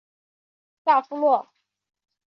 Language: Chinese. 萨夫洛。